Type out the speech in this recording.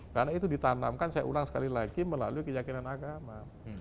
karena itu ditanamkan saya ulang sekali lagi melalui keyakinan agama